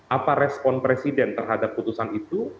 apa respon presiden terhadap putusan itu